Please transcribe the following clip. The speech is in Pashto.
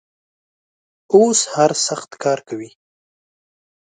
اوس هر سخت کار کوي.